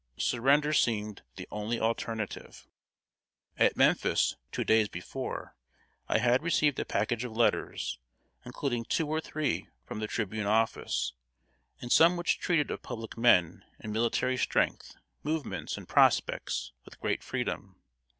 Surrender seemed the only alternative. At Memphis, two days before, I had received a package of letters, including two or three from the Tribune office, and some which treated of public men, and military strength, movements, and prospects, with great freedom.